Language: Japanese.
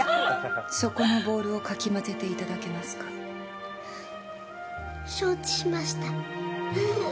そこのボウルをかきまぜていただけますか承知しました